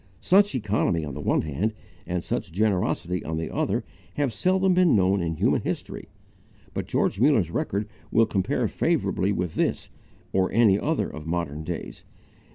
Such economy on the one hand and such generosity on the other have seldom been known in human history. But George Muller's record will compare favourably with this or any other of modern days.